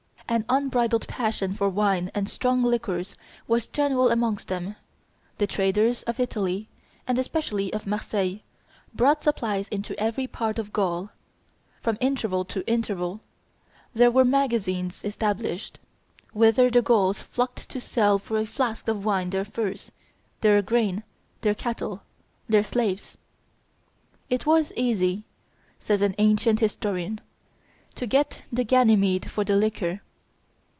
An unbridled passion for wine and strong liquors was general amongst them: the traders of Italy, and especially of Marseilles, brought supplies into every part of Gaul; from interval to interval there were magazines established, whither the Gauls flocked to sell for a flask of wine their furs, their grain, their cattle, their slaves. "It was easy," says an ancient historian, "to get the Ganymede for the liquor."